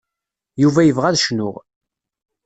Yuba yebɣa ad cnuɣ.